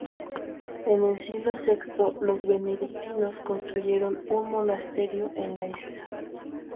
En el siglo sexto, los benedictinos construyeron un monasterio en la isla.